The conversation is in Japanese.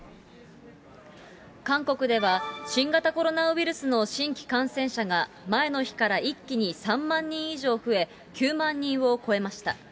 韓国では、新型コロナウイルスの新規感染者が前の日から一気に３万人以上増え、９万人を超えました。